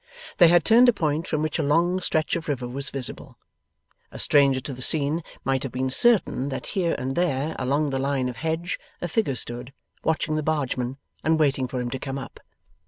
They had turned a point from which a long stretch of river was visible. A stranger to the scene might have been certain that here and there along the line of hedge a figure stood, watching the bargeman, and waiting for him to come up.